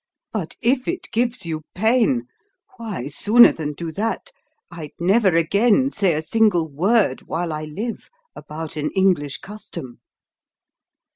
But if it gives you pain why, sooner than do that, I'd never again say a single word while I live about an English custom!"